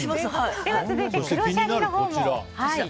続いて黒シャリのほうも。